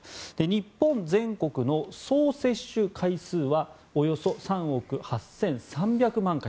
日本全国の総接種回数はおよそ３億８３００万回。